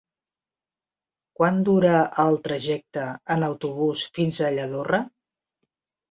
Quant dura el trajecte en autobús fins a Lladorre?